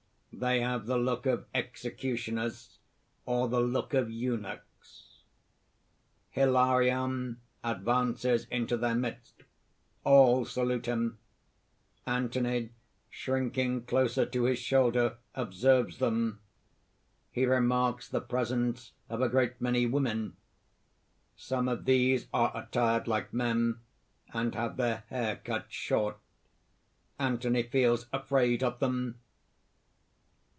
They have the look of executioners, or the look of eunuchs._ _Hilarion advances into their midst. All salute him. Anthony, shrinking closer to his shoulder, observes them. He remarks the presence of a great many women. Some of these are attired like men, and have their hair cut short. Anthony feels afraid of them.